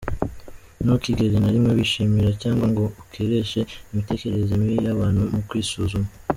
Ntukigere na rimwe wishimira cyangwa ngo ukoreshe imitekerereze mibi y'abantu mu kwisuzuma.